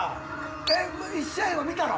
えっ１試合は見たの？